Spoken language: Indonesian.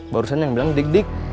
barusan yang bilang dig dig